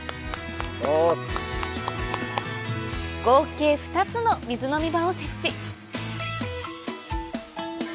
合計２つの水飲み場を設置